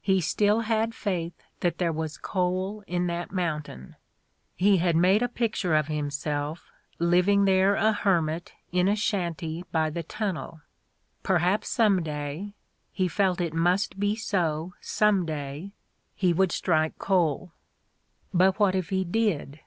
"He still had faith that there was coal in that mountain. He had made a pic ture of himself living there a hermit in a shanty by the tunnel. ... Perhaps some day — ^he felt it must be so some day — he would strike coal. But what if he did?